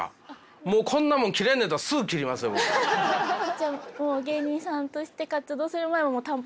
じゃあもう芸人さんとして活動する前は短髪。